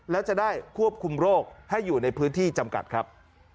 แล้วจะได้ควบคุมโรคให้อยู่ในพื้นที่จำกัดครับ